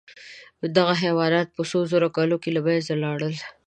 دغه حیوانات په څو زرو کالو کې له منځه لاړل.